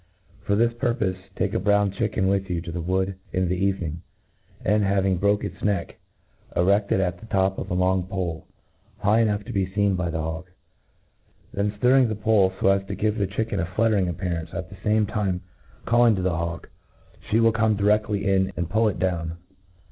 For this purpofc, take a brown chicken with you to the wood in the evening ; and, having broke its neck, creQ: it on the top of a long pole, high enough to be feen by the hawk. Then fliirring the pole, fo as to give the chicken a fluttering appearance, \ and . MODERN TAULCONRY. 227 and at the fame time calling to the hawk — ^flie will come dircftly in, and pull it dpwn.